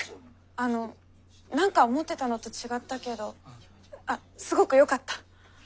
あの何か思ってたのと違ったけどあっすごくよかった。